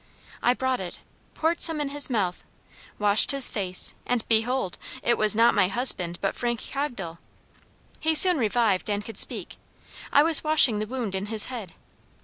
I brought it; poured some in his mouth, washed his face; and behold it was not my husband but Frank Cogdell. He soon revived and could speak. I was washing the wound in his head.